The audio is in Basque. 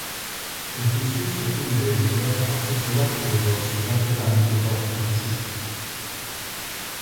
Ez duzu sekula ere lurrean papertxo bat edo zigarreta-mutur bat ikusiko.